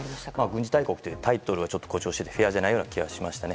軍事大国というタイトルは誇張していてフェアじゃないようにそんな気がしましたね。